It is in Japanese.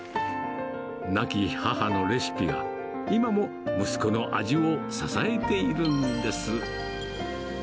亡き母のレシピが、今も息子の味を支えているんです。